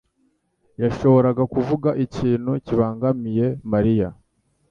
yashoboraga kuvuga ikintu kibangamiye Mariya.